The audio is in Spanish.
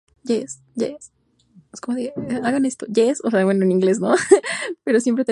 Conducción de trenes sin personal a bordo.